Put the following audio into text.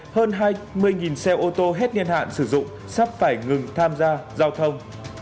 hơn hai mươi xe ô tô hết niên hạn sử dụng sắp phải ngừng tham gia giao thông